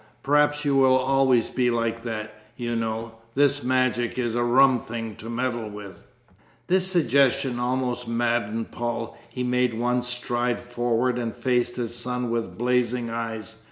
Perhaps you will always be like that, you know. This magic is a rum thing to meddle with." This suggestion almost maddened Paul. He made one stride forward, and faced his son with blazing eyes.